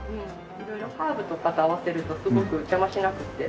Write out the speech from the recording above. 色々ハーブとかと合わせるとすごく邪魔しなくて。